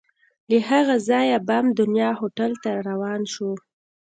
له هغه ځایه بام دنیا هوټل ته روان شوو.